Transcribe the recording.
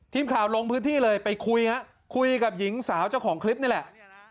ทีมข่าวลงพื้นที่เลยไปคุยฮะคุยกับหญิงสาวเจ้าของคลิปนี่แหละ